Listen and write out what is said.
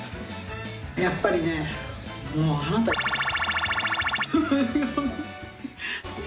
やっぱりね、もうあなた×××よ。